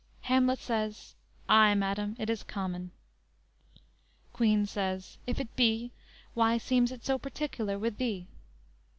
"_ Hamlet says: "Ay, madam, it is common." Queen says: _"If it be, Why seems it so particular with thee?"